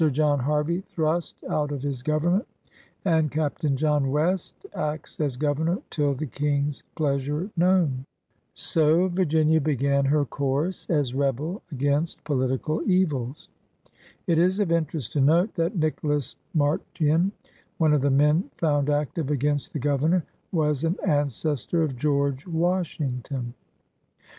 John Harvey thrust out of his government, and Capt. John West acts as Governor till the King's pleasure known."' ' Hening's StatiOes, vol. i, p. 228. 1S2 CHURCH AND KINGDOM 1S3 So Virgmia b^an her course as rebel against politieal evils! It is of interest to note that Nicholas Martian, one of the men found active against the Governor, was an ancestor of George Washington.